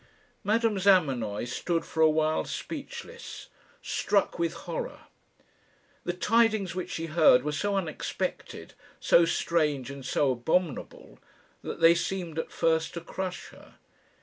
Madame Zamenoy stood for a while speechless struck with horror. The tidings which she heard were so unexpected, so strange, and so abominable, that they seemed at first to crush her.